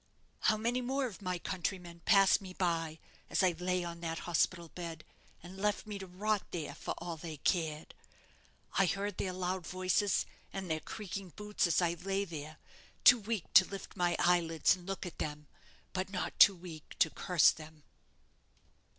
How many more of my countrymen passed me by as I lay on that hospital bed, and left me to rot there, for all they cared? I heard their loud voices and their creaking boots as I lay there, too weak to lift my eyelids and look at them; but not too weak to curse them."